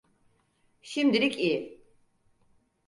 Şimdilik iyi.